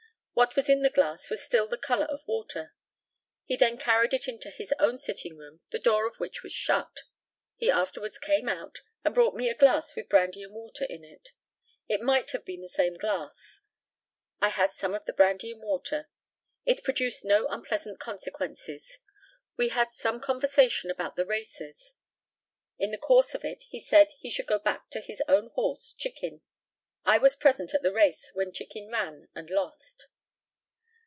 What was in the glass was still the colour of water. He then carried it into his own sitting room, the door of which was shut. He afterwards came out, and brought me a glass with brandy and water in it. It might have been the same glass. I had some of the brandy and water. It produced no unpleasant consequences. We had some conversation about the races. In the course of it he said he should back his own horse, Chicken. I was present at the race, when Chicken ran and lost.